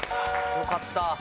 よかった。